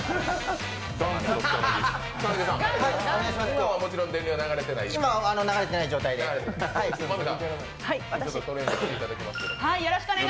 今はもちろん電流は流れてない？